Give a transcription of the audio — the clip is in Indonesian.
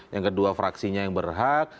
yang kedua fraksinya yang berhak